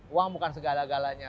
uang bukan segala galanya